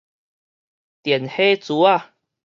電火珠仔